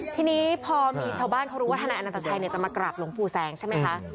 ทีนี้พอมีชาวบ้านเขารู้ว่าทนายอนันตชัยจะมากราบหลวงปู่แสงใช่ไหมคะ